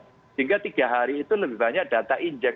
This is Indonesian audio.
sehingga tiga hari itu lebih banyak data injek